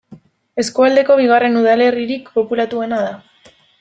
Eskualdeko bigarren udalerririk populatuena da.